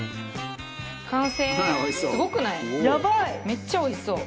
めっちゃおいしそう。